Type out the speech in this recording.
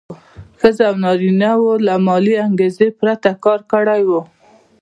ښځو او نارینه وو له مالي انګېزې پرته کار کړی وای.